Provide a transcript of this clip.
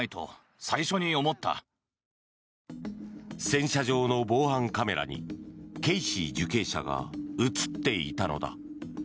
洗車場の防犯カメラにケイシー受刑者が映っていたのだ。